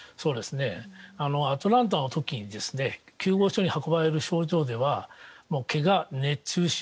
アトランタの時に救護所に運ばれる症状ではけが、熱中症。